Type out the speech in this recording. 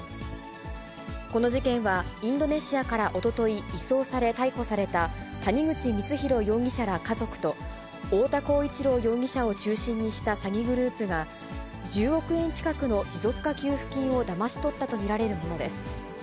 この事件は、インドネシアからおととい移送され、逮捕された谷口光弘容疑者ら家族と、太田浩一朗容疑者を中心にした詐欺グループが１０億円近くの持続化給付金をだまし取ったと見られるものです。